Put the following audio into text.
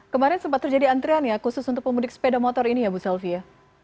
kemarin sempat terjadi antrian ya khusus untuk pemudik sepeda motor ini ya bu sylvi ya